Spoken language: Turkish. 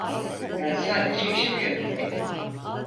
Ben sadece işimi yapıyorum.